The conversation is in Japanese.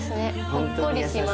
ほっこりします。